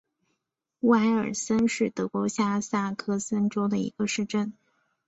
乌埃尔森是德国下萨克森州的一个市镇。